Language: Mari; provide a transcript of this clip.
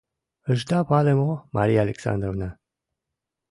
— Ышда пале мо, Мария Александровна?